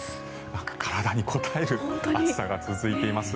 体にこたえる暑さが続いています。